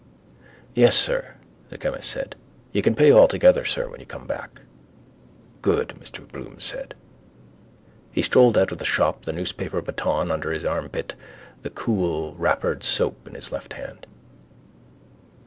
—Yes, sir, the chemist said. You can pay all together, sir, when you come back. —Good, Mr Bloom said. He strolled out of the shop, the newspaper baton under his armpit, the coolwrappered soap in his left hand.